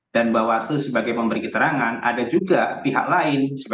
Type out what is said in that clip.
dan bahwa itu sebagai memberi keterangan ada juga pihak lain sebagai pemohon